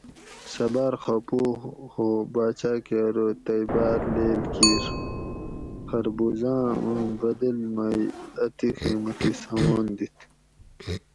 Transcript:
سہۤ باۤر خپہ ہو باۤچاۤ کہۤ ارو تئ باۤر لیڷ کِیر خربوزاۤ آۤں بدل مئ اتی قیمتی سامان دِت